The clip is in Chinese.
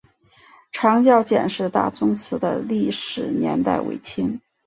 长教简氏大宗祠的历史年代为清。